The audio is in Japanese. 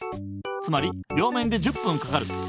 つまり両面で１０ぷんかかる。